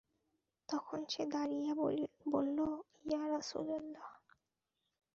তখন সে দাঁড়িয়ে বলল, ইয়া রাসূলাল্লাহ!